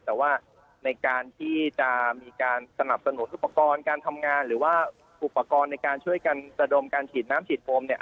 แต่ว่าในการที่จะมีการสนับสนุนอุปกรณ์การทำงานหรือว่าอุปกรณ์ในการช่วยกันระดมการฉีดน้ำฉีดโฟมเนี่ย